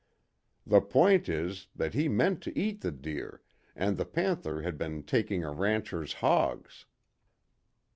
The point is, that he meant to eat the deer, and the panther had been taking a rancher's hogs."